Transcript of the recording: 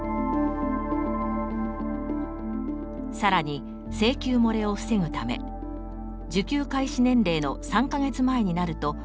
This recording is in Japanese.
さらに請求もれを防ぐため受給開始年齢の３か月前になると書類を発送。